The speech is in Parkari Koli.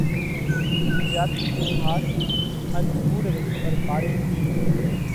جيا ٿِي اُو ۿاس ان ڪُوڙ رئي کٻر پاڙي ھيڪئہ۔